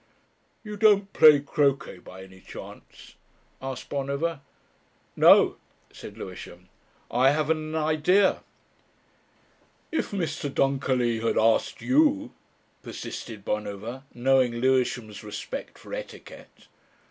"You don't play croquet by any chance?" asked Bonover. "No," said Lewisham, "I haven't an idea." "If Mr. Dunkerley had asked you?..." persisted Bonover, knowing Lewisham's respect for etiquette.